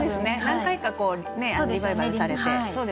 何回かリバイバルされて。